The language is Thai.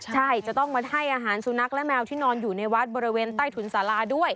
ใช่จะต้องมาให้อาหารสุนัขและแมวที่นอนอยู่ในวัดบริเวณใต้ถุนสาราด้วย